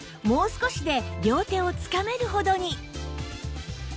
もう少しで両手をつかめるほどに